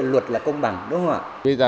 luật là công bằng đúng không ạ